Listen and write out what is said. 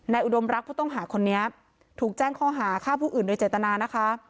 อุดมรักผู้ต้องหาคนนี้ถูกแจ้งข้อหาฆ่าผู้อื่นโดยเจตนานะคะ